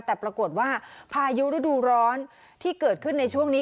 แต่ปรากฏว่าพายุฤดูร้อนที่เกิดขึ้นในช่วงนี้